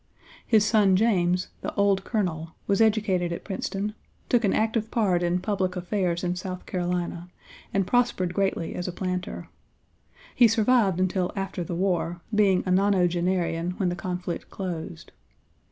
His son James, the "Old Colonel," was educated at Princeton, took an active part in public affairs in South Carolina, and prospered greatly as a planter. He survived until after the War, being a nonogenarian when the conflict closed.